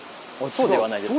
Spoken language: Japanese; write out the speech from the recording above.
そうではないです。